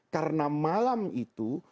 karena malam itu